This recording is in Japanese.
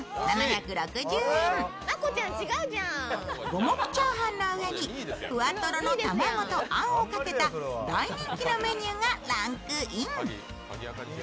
五目炒飯の上にふわとろの卵とあんをかけた大人気のメニューがランクイン。